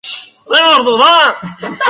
Zer ordu da?